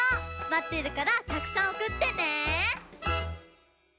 まってるからたくさんおくってね！